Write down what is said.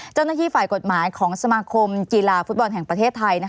เจ้าหน้าที่ฝ่ายกฎหมายของสมาคมกีฬาฟุตบอลแห่งประเทศไทย